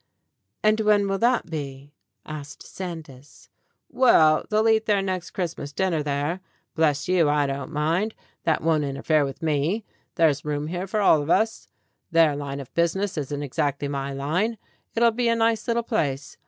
"And when will that be ?" asked Sandys. "Well, they'll eat their next Christmas dinner there. Bless you, I don't mind. That won't interfere with 22 STORIES WITHOUT TEARS me. There's room here for all of us. Their line of business isn't exactly my line. It'll be a nice little place.